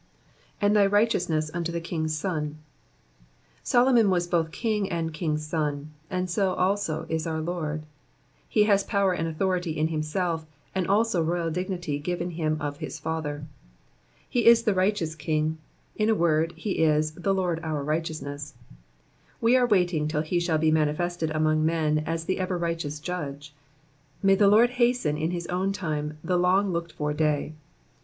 ''And thy righteousness unto t/ie king'' a son,'''' Solomon was both king and king^s son ; 80 also is our Lord. He has power and authority in himself, and also royal dignity given him of his Father. He is the righteous king ; in a word, he is the Lord our righteousness.'' We are waiting till he shall be manifested among men as the ever righteous Judge. May the Lord hasten in his own time the long looked for day.